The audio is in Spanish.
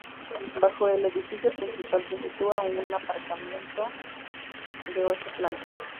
Bajo el edificio principal se sitúa un aparcamiento de ocho plantas.